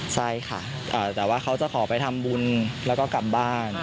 ใช่ค่ะแต่ว่าเขาจะขอไปทำบุญแล้วก็กลับบ้าน